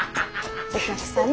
お客さん